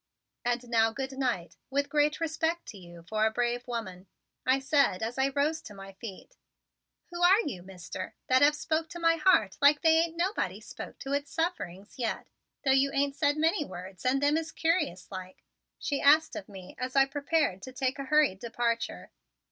And now good night, with great respect to you for a brave woman," I said as I rose to my feet. "Who are you, Mister, that have spoke to my heart like they ain't nobody spoke to its suffering yet, though you ain't said many words and them is curious like?" she asked of me as I prepared to take a hurried departure.